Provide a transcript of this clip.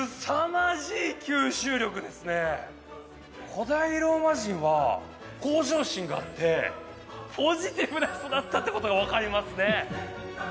古代ローマ人は向上心があってポジティブな人だったってことが分かりますね